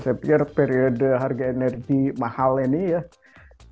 saya pikir periode harga energi mahal ini ya terkait dengan emisi